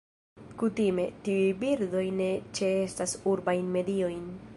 Kutime, tiuj birdoj ne ĉeestas urbajn mediojn.